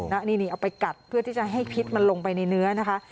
นี่เอาไปกัดเพื่อที่จะให้พิษมันลงไปในเนื้อนะคะ